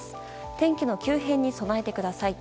天気の急変に備えてください。